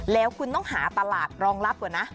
แล้วคุณต้องหาตลาดรองรับก่อนนะ